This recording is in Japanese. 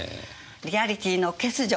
リアリティーの欠如。